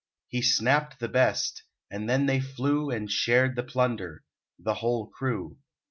He snapped the best, and then they flew And shared the plunder, the whole crew.